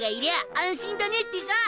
安心だねってさ。